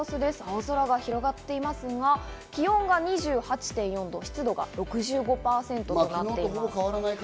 青空が広がっていますが、気温が２８．４度、湿度が６５％となっています。